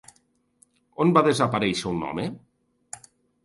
On va desaparèixer un home?